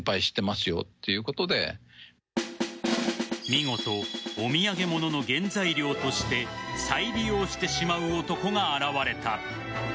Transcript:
見事、お土産物の原材料として再利用してしまう男が現れた。